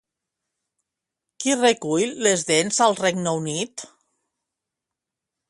Qui recull les dents al Regne Unit?